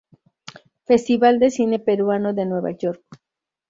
Festival de Cine Peruano de Nueva York.